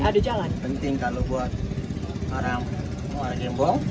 penting penting kalau buat orang margembo